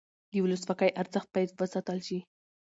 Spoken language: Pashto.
د ولسواکۍ ارزښت باید وساتل شي